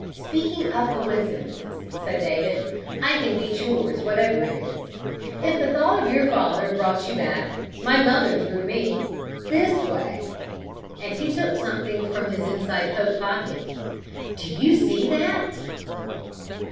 "Speaking of coincidences," said David, "I can beat yours, whatever it is. If the thought of your father brought you back, my mother drew me this way!" And he took something from his inside coat pocket. "Do you see that?"